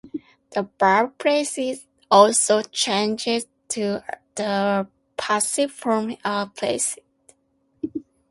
The verb "place" is also changed to the passive form "are placed".